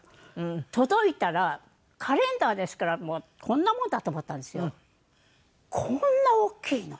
届いたらカレンダーですからこんなもんだと思ったんですけどこんな大きいの。